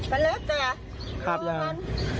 ไปเลยแต่รอมัน